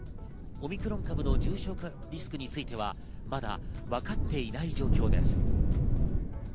オミクロン株の重症化リスクについては、まだわかっていない状況です。